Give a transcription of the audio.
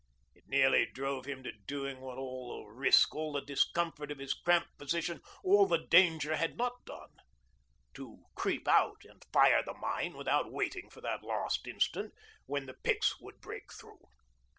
It nearly drove him to doing what all the risk, all the discomfort of his cramped position, all the danger, had not done to creep out and fire the mine without waiting for that last instant when the picks would break through.